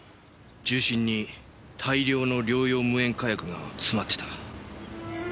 銃身に大量の猟用無煙火薬が詰まってた。